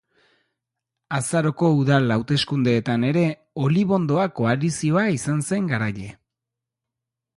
Azaroko udal hauteskundeetan ere Olibondoa koalizioa izan zen garaile.